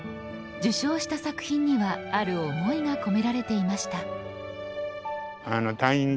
受賞した作品にはある思いが込められていました。